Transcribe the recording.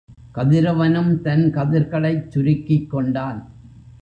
கதிரவனும் தன் கதிர்களைச் சுருக்கிக் கொண்டான்.